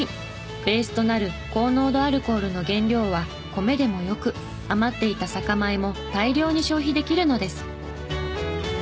ベースとなる高濃度アルコールの原料は米でもよく余っていた酒米も大量に消費できるのです。